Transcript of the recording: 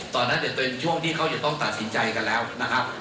ตอนนั้นเป็นช่วงที่เขาจะต้องตัดสินใจกันแล้วนะครับ